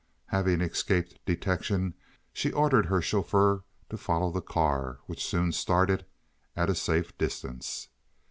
Having escaped detection, she ordered her chauffeur to follow the car, which soon started, at a safe distance.